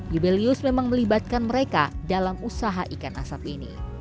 yubelius memang melibatkan mereka dalam usaha ikan asap ini